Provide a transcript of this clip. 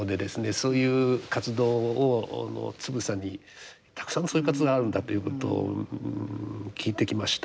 そういう活動をつぶさにたくさんのそういう活動があるんだということを聞いてきました。